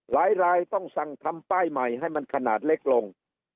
หลายรายต้องสั่งทำป้ายใหม่ให้มันขนาดเล็กลง